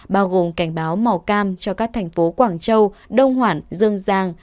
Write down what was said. bao gồm cảnh báo màu cam cho các thành phố quảng châu đông hoãn dương giang